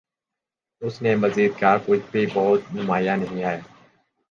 اس نے مزید کہا کچھ بھِی بہت نُمایاں نہیں ہے